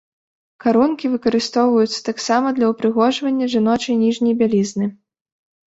Карункі выкарыстоўваюцца таксама для ўпрыгожвання жаночай ніжняй бялізны.